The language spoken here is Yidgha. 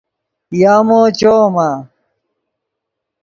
یامو چویمآ؟